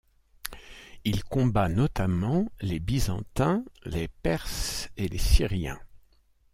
Il combat notamment les Byzantins, les Perses et les Syriens.